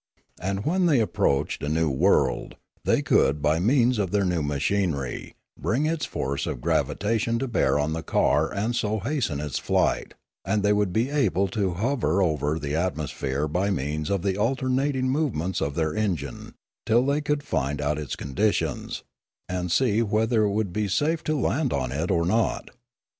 And when they approached a new world they could by means of their new machinery bring its force of gravitation to bear on the car and so hasten its flight ; and they would be able to hover over the atmosphere by means of the alternating movements of their engine, till they could find out its conditions, and see whether it would be safe to laud on it or not.